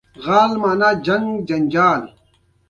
وړانګې دسترخوان هوار کړ.